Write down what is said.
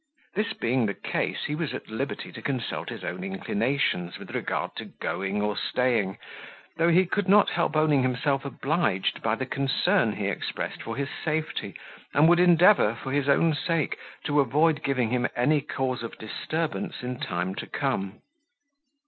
This being the case, he was at liberty to consult his own inclinations, with regard to going or staying; though he could not help owning himself obliged by the concern he expressed for his safety, and would endeavour, for his own sake, to avoid giving him any cause of disturbance in time to come.